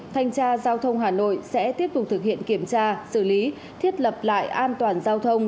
thanh tra giao thông hà nội sẽ tiếp tục thực hiện kiểm tra xử lý thiết lập lại an toàn giao thông